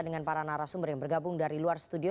dengan para narasumber yang bergabung dari luar studio